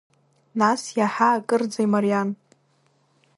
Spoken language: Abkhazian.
Нас иаҳа акырӡа имариан.